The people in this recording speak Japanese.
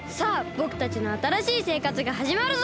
ぼくたちのあたらしいせいかつがはじまるぞ！